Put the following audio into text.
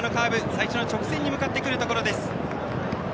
最初の直線に向かってくるところです。